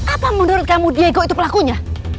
apa menurut kamu diego itu pelakunya